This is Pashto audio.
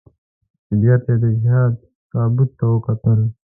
چې بېرته یې د جهاد تابوت ته وکتل.